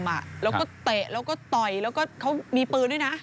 แล้วก็เตะแล้วก็ต่อยแล้วก็เขามีปืนด้วยนะ